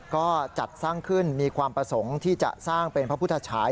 ก็จัดสร้างขึ้นมีความประสงค์ที่จะสร้างเป็นพระพุทธฉาย